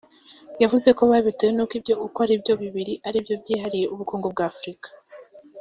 yavuze ko babitewe nuko ibyo uko ari byo bibiri ari byo byihariye ubukungu bwa Afrika